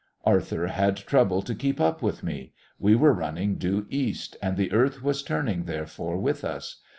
Arthur had trouble to keep up with me. We were running due east, and the Earth was turning, therefore, with us.